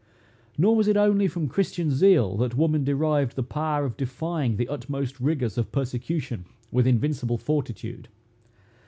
Nor was it only from christian zeal that woman derived the power of defying the utmost rigors of persecution with invincible fortitude.